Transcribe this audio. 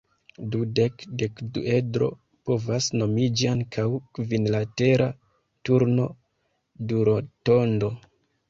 Dudek-dekduedro povas nomiĝi ankaŭ kvinlatera turno-durotondo.